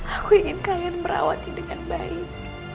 aku ingin kalian merawatnya dengan baik